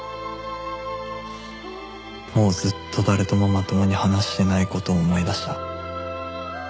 もうずっと誰ともまともに話してない事を思い出した